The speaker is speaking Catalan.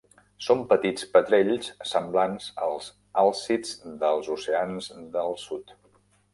Són petits petrells semblants als àlcids dels oceans de sud.